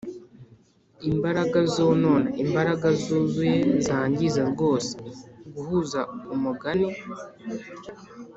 imbaraga zonona; imbaraga zuzuye zangiza rwose guhuza umugani